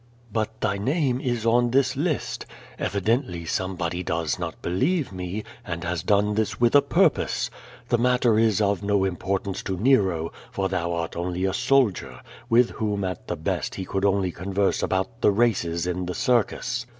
But thy name is on this list. Evidently somebody does not believe me, and has done this with a purpose. The matter is of no import ance to Nero, for thou art only a soldier, with whom at the best he could only converse about the races in the circus.